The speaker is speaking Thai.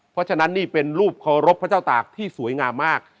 เพราะฉะนั้นนี่เป็นรูปเคารพพระเจ้าตากที่สวยงามมาก